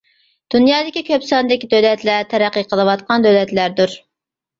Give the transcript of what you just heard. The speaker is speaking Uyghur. دۇنيادىكى كۆپ ساندىكى دۆلەتلەر تەرەققىي قىلىۋاتقان دۆلەتلەردۇر.